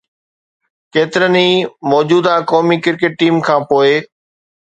ڪيترن ئي موجوده قومي ڪرڪيٽ ٽيم کان پوء